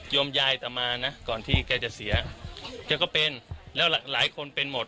ยายต่อมานะก่อนที่แกจะเสียแกก็เป็นแล้วหลายคนเป็นหมด